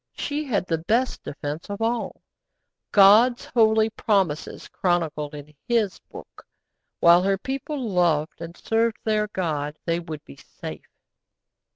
She had the best defence of all God's holy promises chronicled in His Book. While her people loved and served their God they would be safe.